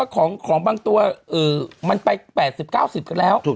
ของบางตัวมันไป๘๐๙๐กันแล้ว